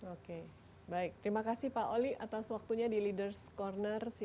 oke baik terima kasih pak oli atas waktunya di leaders corner cnn indonesia